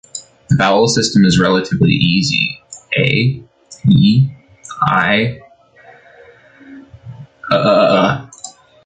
The vowel system is relatively easy: "a", "e", "i", "ə", "o", "u".